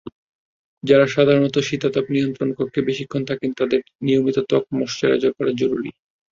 যারা সাধারণত শীতাতপ নিয়ন্ত্রণকক্ষে বেশিক্ষণ থাকেন, তাদের নিয়মিত ত্বক ময়েশ্চারাইজ করা জরুরি।